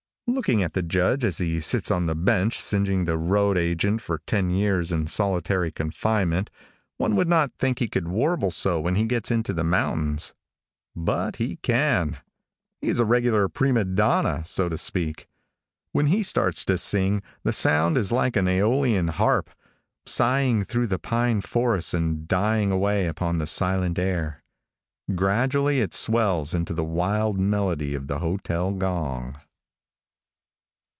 Looking at the Judge as he sits on the bench singeing the road agent for ten years in solitary confinement, one would not think he could warble so when he gets into the mountains. But he can. He is a regular prima donna, so to speak. When he starts to sing, the sound is like an Æolian harp, sighing through the pine forests and dying away upon the silent air. Gradually it swells into the wild melody of the hotel gong.